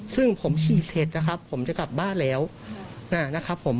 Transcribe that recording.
ซึ่งผมขี่เสร็จนะครับผมจะกลับบ้านแล้วนะครับผม